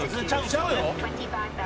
「ちゃうよ！」